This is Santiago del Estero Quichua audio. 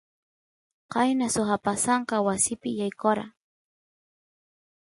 qayna suk apasanka wasipi yaykora